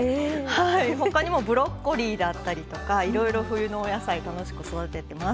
他にもブロッコリーだったりとかいろいろ冬のお野菜楽しく育ててます。